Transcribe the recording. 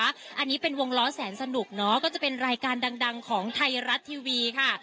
อันนี้เป็นวงล้อแสนสนุกเนาะก็จะเป็นรายการดังของไทยรัฐทีวีค่ะ